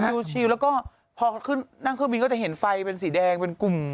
ชิลแล้วก็พอขึ้นนั่งเครื่องบินก็จะเห็นไฟเป็นสีแดงเป็นกลุ่ม